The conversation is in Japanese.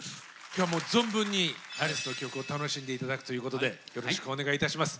今日はもう存分にアリスの曲を楽しんで頂くということでよろしくお願いいたします。